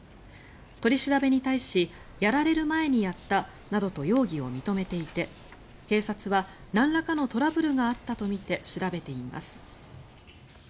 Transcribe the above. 取り調べに対しやられる前にやったなどと容疑を認めていて警察は、なんらかのトラブルがあったとみて調べています。